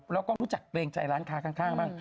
แล้วก็รู้จักเกรงใจร้านค้าข้างบ้าง